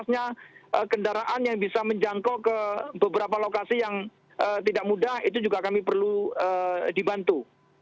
kendaraan yang bisa menjangkau ke beberapa lokasi yang tidak mudah itu juga kami perlu dibantu